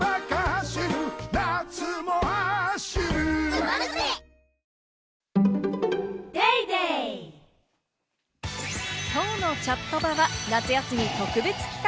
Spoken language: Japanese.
お試し容量もきょうのチャットバは、夏休み特別企画！